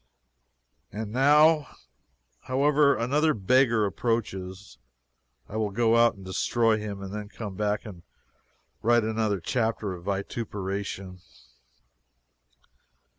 And now . However, another beggar approaches. I will go out and destroy him, and then come back and write another chapter of vituperation.